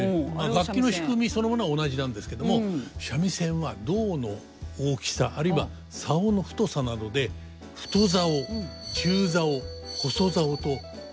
楽器の仕組みそのものは同じなんですけども三味線は胴の大きさあるいは棹の太さなどで太棹中棹細棹と大別されているわけです。